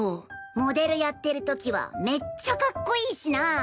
モデルやってる時はめっちゃかっこいいしな。